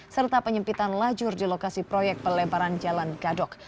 serta penyempitan lajur di lokasi proyek pelebaran jalan gadok